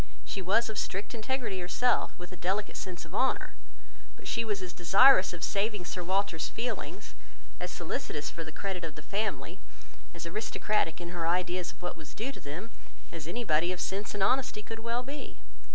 She was of strict integrity herself, with a delicate sense of honour; but she was as desirous of saving Sir Walter's feelings, as solicitous for the credit of the family, as aristocratic in her ideas of what was due to them, as anybody of sense and honesty could well be.